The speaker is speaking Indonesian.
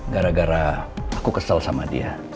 gara gara aku kesel sama dia